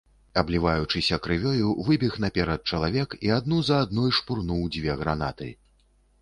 Абліваючыся крывёю, выбег наперад чалавек і адну за адной шпурнуў дзве гранаты.